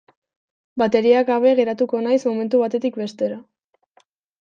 Bateria gabe geratuko naiz momentu batetik bestera.